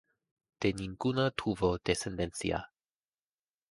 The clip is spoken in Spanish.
De ninguna tuvo descendencia.